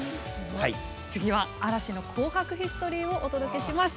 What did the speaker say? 次は嵐の「紅白」ヒストリーをお届けします。